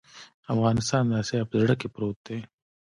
افغانستان د اسیا په زړه کې پروت دی